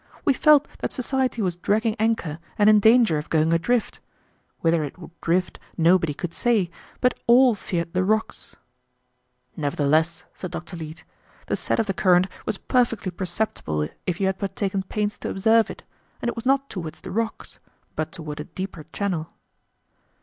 "We felt that society was dragging anchor and in danger of going adrift. Whither it would drift nobody could say, but all feared the rocks." "Nevertheless," said Dr. Leete, "the set of the current was perfectly perceptible if you had but taken pains to observe it, and it was not toward the rocks, but toward a deeper channel."